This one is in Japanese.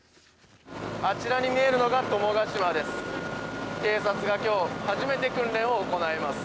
あちらに見えるのが友ヶ島です。